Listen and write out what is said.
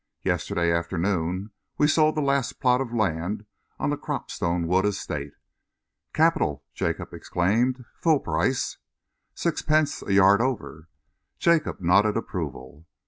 "Yesterday afternoon we sold the last plot of land on the Cropstone Wood Estate." "Capital!" Jacob exclaimed. "Full price?" "Sixpence a yard over." Jacob nodded approval.